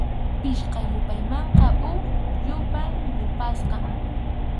Pichqa yupaymanqa huk yupay yapasqam.